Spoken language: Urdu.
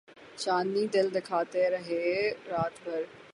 چاندنی دل دکھاتی رہی رات بھر